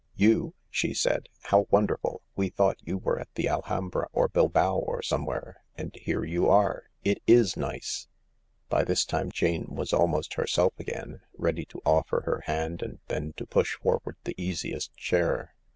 " You ?" she said. " How wonderful ! We thought you were at the Alhambra or Bilbao or somewhere, and here you are ! It is nice." By this time Jane was almost herself again, ready to offer her hand and then to push forward the easiest chair.